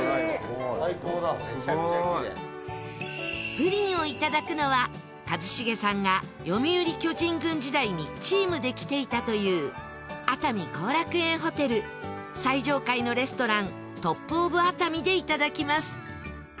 プリンをいただくのは一茂さんが読売巨人軍時代にチームで来ていたという熱海後楽園ホテル最上階のレストランＴＯＰＯＦＡＴＡＭＩでいただきます